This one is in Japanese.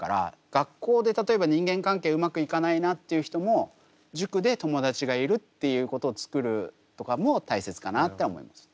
学校で例えば人間関係うまくいかないなっていう人も塾で友達がいるっていうことをつくるとかも大切かなって思いますね。